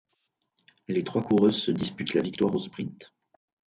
Les trois coureuses se disputent la victoire au sprint.